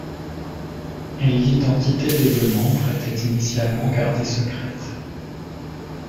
L’identité des deux membres était initialement gardée secrète.